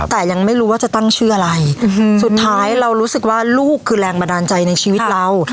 แต่ยังไม่รู้ว่าจะตั้งชื่ออะไรสุดท้ายเรารู้สึกว่าลูกคือแรงบันดาลใจในชีวิตเรา